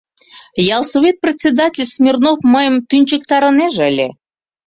«Ялсовет председатель Смирнов мыйым тӱнчыктарынеже ыле.